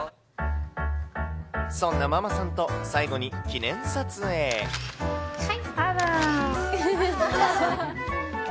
そんなママさんと最後に記念あらぁー。